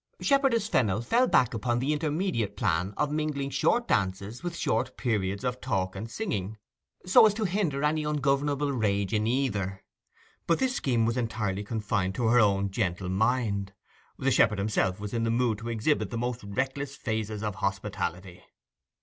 Shepherdess Fennel fell back upon the intermediate plan of mingling short dances with short periods of talk and singing, so as to hinder any ungovernable rage in either. But this scheme was entirely confined to her own gentle mind: the shepherd himself was in the mood to exhibit the most reckless phases of hospitality.